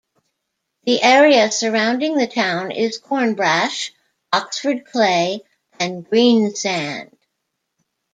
The area surrounding the town is Cornbrash, Oxford Clay and Greensand.